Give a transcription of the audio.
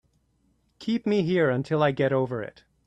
Keep me here until I get over it.